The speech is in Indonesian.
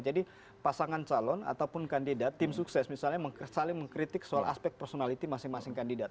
jadi pasangan calon ataupun kandidat tim sukses misalnya saling mengkritik soal aspek personality masing masing kandidat